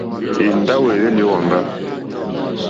Èndáwò èhwélì ó wàŋgá.